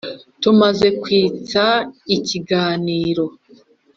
tumaze kwitsa ikiganiro,